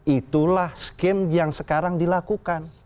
itulah skim yang sekarang dilakukan